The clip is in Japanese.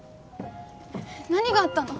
何があったの？